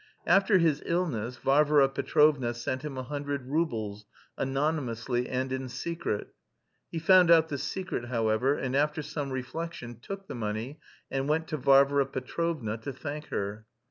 After his illness Varvara Petrovna sent him a hundred roubles, anonymously and in secret. He found out the secret, however, and after some reflection took the money and went to Varvara Petrovna to thank her.